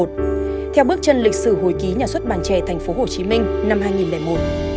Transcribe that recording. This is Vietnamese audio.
theo bước chân lịch sử hồi ký nhà xuất bản trẻ tp hcm năm hai nghìn một